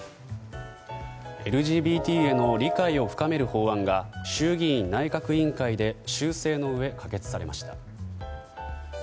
ＬＧＢＴへの理解を深める法案が衆議院内閣委員会で修正のうえ可決されました。